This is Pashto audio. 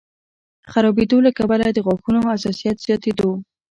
خرابېدو له کبله د غاښونو حساسیت زیاتېدو